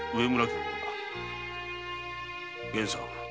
源さん